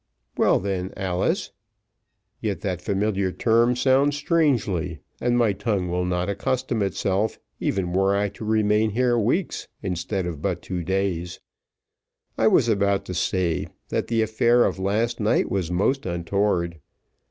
Well, then, Alice yet that familiar term sounds strangely, and my tongue will not accustom itself, even were I to remain here weeks, instead of but two days I was about to say, that the affair of last night was most untoward.